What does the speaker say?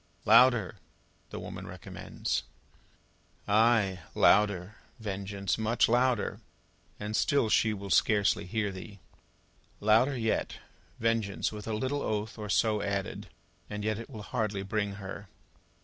"Louder," the woman recommends. Ay! Louder, Vengeance, much louder, and still she will scarcely hear thee. Louder yet, Vengeance, with a little oath or so added, and yet it will hardly bring her.